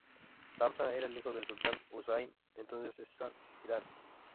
Tahmasp era el hijo del sultán Husayn, entonces shah de Irán.